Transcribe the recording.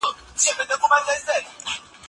ټاکني څه ډول ترسره کېږي؟